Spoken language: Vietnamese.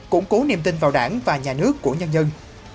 củng cố niềm tin vào đảng và nhà nước của nhân dân